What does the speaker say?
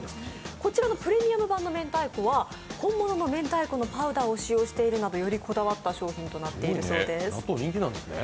こちらのプレミアムうまい棒明太子は本物の明太子のパウダーを使用しているなど、よりこだわった商品となっているそうです。